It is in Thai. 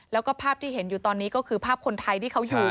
แล้วก็ภาพที่เห็นอยู่ตอนนี้ก็คือภาพคนไทยที่เขาอยู่